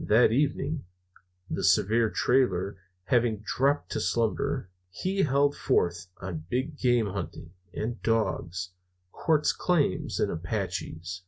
That evening, the severe Trailer having dropped to slumber, he held forth on big game hunting and dogs, quartz claims and Apaches.